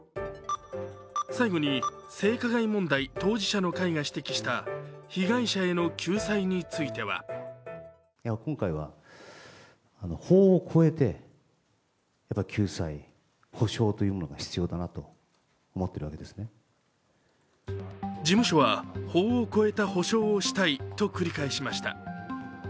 最後に性加害問題当事者の会が指摘した被害者への救済については事務所は、法を超えた補償をしたいと繰り返しました。